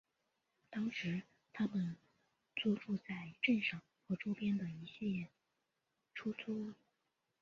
当时他们租住在镇上和周边的一系列出租屋里。